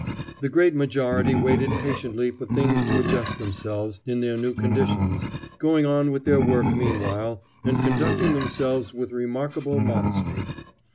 The great majority waited patiently for things to adjust themselves in their new conditions, going on with their work meanwhile, and conducting themselves with remarkable modesty.